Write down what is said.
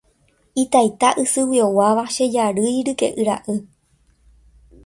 Itaita isyguioguáva che jarýi ryke'y ra'y.